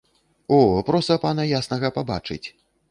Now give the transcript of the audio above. О, проса пана яснага пабачыць.